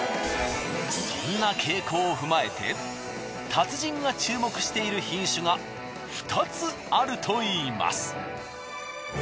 そんな傾向を踏まえて達人が注目している品種が２つあるといいます。